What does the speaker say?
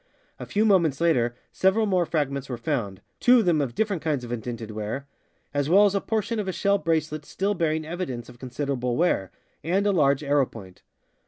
A few moments later several more fragments were found (two of them of different kinds of indented ware), as well as a portion of a shell bracelet still bearing evidence of con siderable wear, and a large arrowpoint.